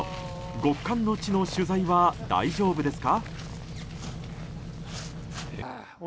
極寒の地の取材は大丈夫ですか？